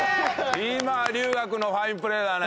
今龍我君のファインプレーだね。